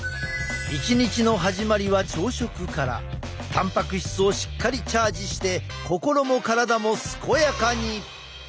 たんぱく質をしっかりチャージして心も体も健やかに。